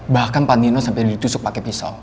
bahkan pandino sampai ditusuk pake pisau